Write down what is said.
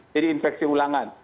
jadi infeksi ulangan